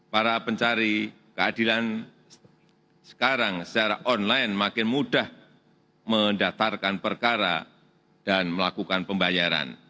para pencari keadilan sekarang secara online makin mudah mendatarkan perkara dan melakukan pembayaran